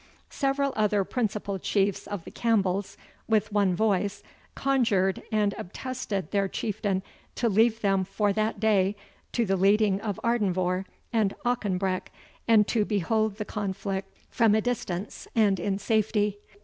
Several other principal Chiefs of the Campbells, with one voice, conjured and obtested their Chieftain to leave them for that day to the leading of Ardenvohr and Auchenbreck, and to behold the conflict from a distance and in safety.